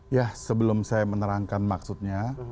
ya sebelum saya menerangkan maksudnya